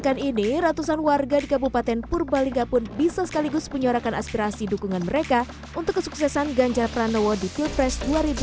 dari ratusan warga di kabupaten purbalingga pun bisa sekaligus penyorakan aspirasi dukungan mereka untuk kesuksesan ganjar pranowo di tiltres dua ribu dua puluh empat